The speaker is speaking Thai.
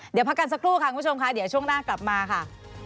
เดี๋ยวพักกันสักครู่ค่ะคุณผู้ชมค่ะเดี๋ยวช่วงหน้ากลับมาค่ะ